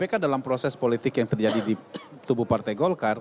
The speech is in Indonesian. tapi kan dalam proses politik yang terjadi di tubuh partai golkar